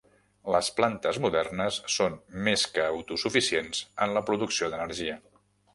Les plantes modernes són més que autosuficients en la producció d'energia.